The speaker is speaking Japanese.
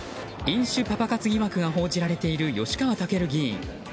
飲酒パパ活疑惑が報じられている吉川赳議員。